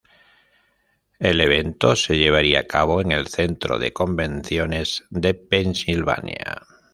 El evento se llevaría a cabo en el Centro de Convenciones de Pennsylvania.